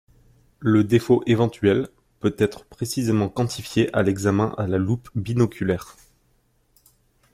Le défaut éventuel peut être précisément quantifié à l'examen à la loupe binoculaire.